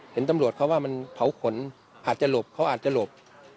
เห็นตำรวจเขาว่ามันเผาขนอาจจะหลบเขาอาจจะหลบ